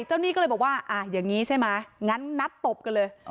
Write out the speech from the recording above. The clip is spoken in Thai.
หนี้ก็เลยบอกว่าอย่างนี้ใช่ไหมงั้นนัดตบกันเลย